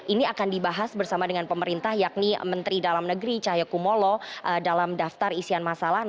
ini akan dibahas bersama dengan pemerintah yakni menteri dalam negeri cahaya kumolo dalam daftar isian masalah